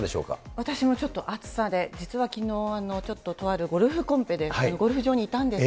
私もちょっと暑さで、実はきのう、ちょっととあるゴルフコンペで、ゴルフ場にいたんです